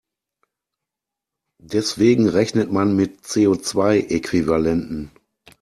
Deswegen rechnet man mit CO-zwei-Äquivalenten.